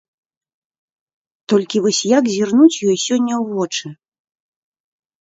Толькі вось як зірнуць ёй сёння ў вочы?